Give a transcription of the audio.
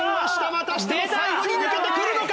またしても最後に抜けてくるのか！？